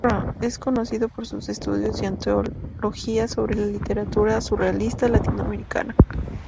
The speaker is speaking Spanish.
Es conocido por sus estudios y antologías sobre la literatura surrealista latinoamericana.